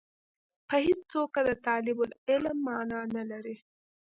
په هېڅ توګه د طالب العلم معنا نه لري.